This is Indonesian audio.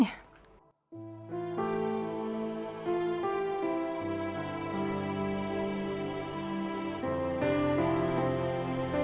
nila cocok ceritanya gak doctor